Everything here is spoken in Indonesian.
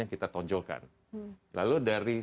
kita tonjolkan lalu dari